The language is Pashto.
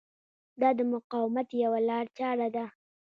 دا د مقاومت یوه لارچاره ده.